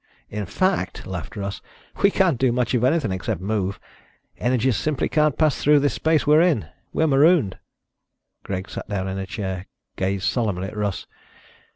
"In fact," laughed Russ, "we can't do much of anything except move. Energies simply can't pass through this space we're in. We're marooned." Greg sat down in a chair, gazed solemnly at Russ.